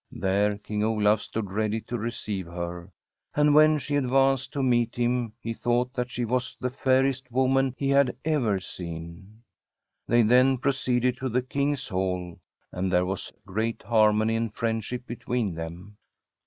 There King Olaf stood ready to receive her, and when she advanced to meet him he thought that she was the fairest woman he had ever seen. They then proceeded to the King's Hall, and there was cjeat harmony and friendship between them.